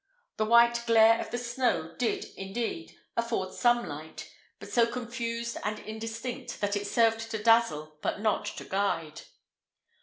The white glare of the snow did, indeed, afford some light, but so confused and indistinct, that it served to dazzle, but not to guide.